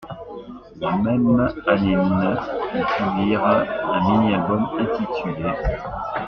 La même anéne, ils publient un mini-album intitulé '.